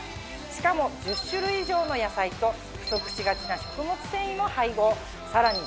しかも１０種類以上の野菜と不足しがちな食物繊維も配合。